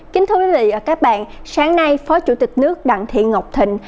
kính thưa quý vị và các bạn sáng nay phó chủ tịch nước đặng thị ngọc thịnh